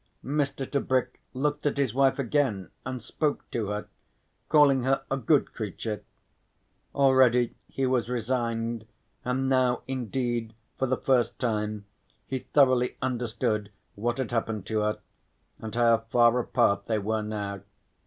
Mr. Tebrick looked at his wife again and spoke to her, calling her a good creature. Already he was resigned and now, indeed, for the first time he thoroughly understood what had happened to her, and how far apart they were now.